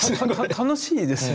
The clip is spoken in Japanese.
楽しいですよね。